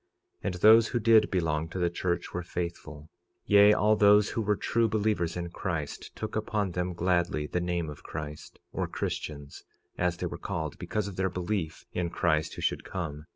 46:15 And those who did belong to the church were faithful; yea, all those who were true believers in Christ took upon them, gladly, the name of Christ, or Christians as they were called, because of their belief in Christ who should come.